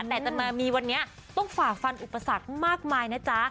แต่จะมามีวันนี้ต้องฝ่าฟันอุปสรรคมากมายนะจ๊ะ